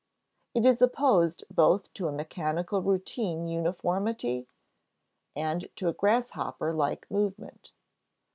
It is opposed both to a mechanical routine uniformity and to a grasshopper like movement.